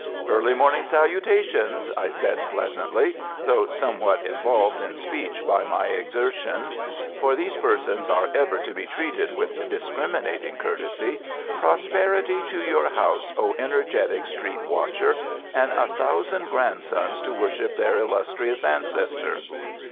"Early morning salutations," I said pleasantly, though somewhat involved in speech by my exertion (for these persons are ever to be treated with discriminating courtesy). "Prosperity to your house, O energetic street watcher, and a thousand grandsons to worship their illustrious ancestor."